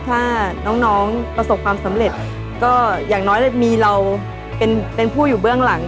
ถ้าน้องประสบความสำเร็จก็อย่างน้อยมีเราเป็นผู้อยู่เบื้องหลัง